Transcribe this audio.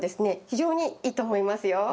非常にいいと思いますよ。